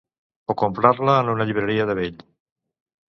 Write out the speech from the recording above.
O comprar-la en una llibreria de vell.